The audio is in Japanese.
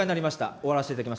終わらせていただきます。